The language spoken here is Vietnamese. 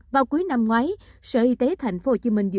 vào cuối năm ngoái sở y tế tp hcm dự